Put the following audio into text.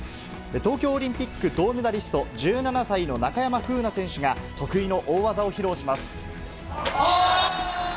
東京オリンピック銅メダリスト、１７歳の中山楓奈選手が、得意の大技を披露します。